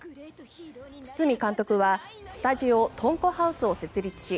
堤監督はスタジオ、トンコハウスを設立し